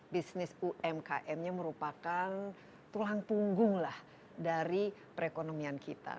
bisnis umkm nya merupakan tulang punggung lah dari perekonomian kita